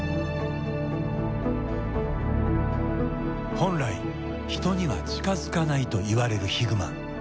本来人には近づかないといわれるヒグマ。